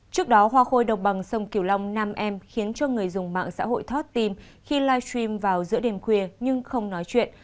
trước đó hoa khôi đồng bằng sông kiều long nam em khiến cho người dùng mạng xã hội thót tim khi live stream vào giữa đêm khuya nhưng không nói chuyện